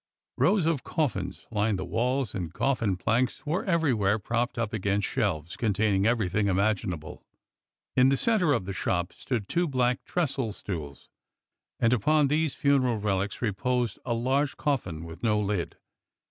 Rows of coffins lined the walls and coffin planks were everywhere propped up against shelves containing everything imaginable. In the centre of the shop stood two black trestle stools, and upon these funeral relics reposed a large coffin with no lid.